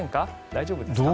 大丈夫ですか？